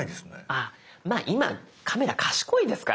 ああまぁ今カメラ賢いですからね。